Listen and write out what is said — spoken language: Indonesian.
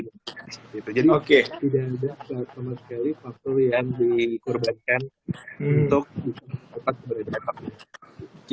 jadi tidak ada sama sekali faktor yang dikurbankan untuk untuk sebuah jangka